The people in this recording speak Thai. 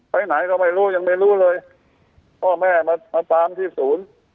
ไปไหนก็ไม่รู้ยังไม่รู้เลยพ่อแม่มามาตามที่ศูนย์